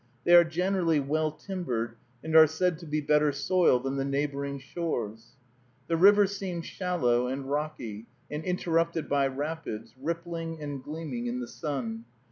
They are generally well timbered, and are said to be better soil than the neighboring shores. The river seemed shallow and rocky, and interrupted by rapids, rippling and gleaming in the sun.